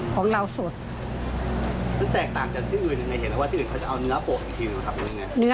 ของเราสุด